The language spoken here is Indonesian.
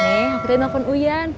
sebelum kesini aku telfon uyan